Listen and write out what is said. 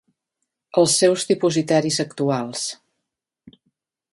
Els seus dipositaris actuals.